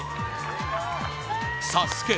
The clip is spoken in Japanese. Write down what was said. ＳＡＳＵＫＥ